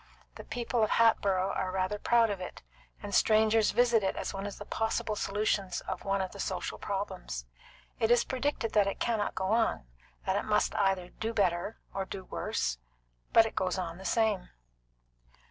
The people of Hatboro' are rather proud of it, and strangers visit it as one of the possible solutions of one of the social problems. It is predicted that it cannot go on; that it must either do better or do worse; but it goes on the same.